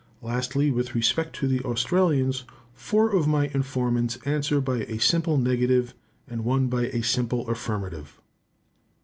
Lastly, with respect to the Australians, four of my informants answer by a simple negative, and one by a simple affirmative.